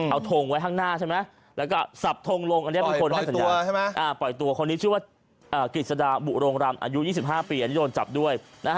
เอาทงไว้ข้างหน้าแล้วก็สับทงลงปล่อยตัวคนนี้ชื่อว่ากิศดาบุโรงรำอายุ๒๕ปีแล้วโดนจับด้วย